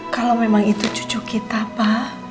kalau memang itu cucu kita pak